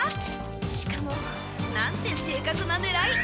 しかもなんて正確なねらい！